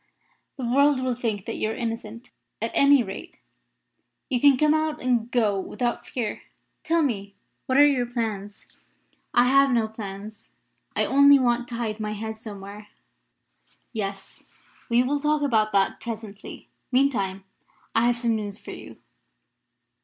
"The world will think that you are innocent. At any rate, you can come out and go about without fear. Tell me, what are your plans?" "I have no plans. I only want to hide my head somewhere." "Yes; we will talk about that presently. Meantime, I have some news for you."